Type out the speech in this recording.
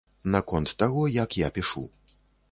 Наконт таго, як я пішу.